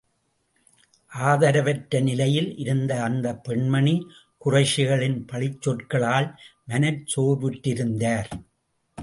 ஆதரவற்ற நிலையில் இருந்த அந்தப் பெண்மணி குறைஷிகளின் பழிச் சொற்களால், மனச் சோர்வுற்றிருந்தார்.